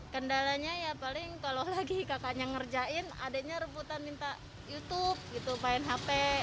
kendalanya ya paling kalau lagi kakaknya ngerjain adeknya reputan minta youtube upahin hp